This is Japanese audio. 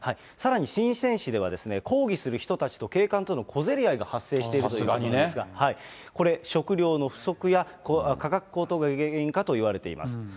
さらに、深せん市では抗議する人たちと警官との小競り合いが発生しているということなんですが、これ、食料の不足や価格高騰が原因かといわれています。